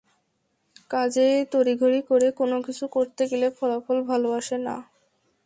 কাজেই তড়িঘড়ি করে কোনো কিছু করতে গেলে ফলাফল ভালো আসে না।